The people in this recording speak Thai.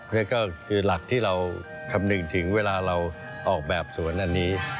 นั่นก็คือหลักที่เราคำนึงถึงเวลาเราออกแบบสวนอันนี้